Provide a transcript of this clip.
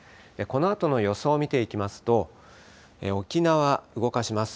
このあとの予想を見ていきますと、沖縄、動かします。